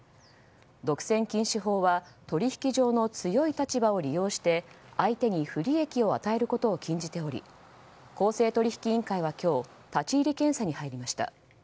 独占禁止法は取引上の強い立場を利用して相手に不利益を与えることを禁じており公正取引委員会は今日立ち入り検査に入りました。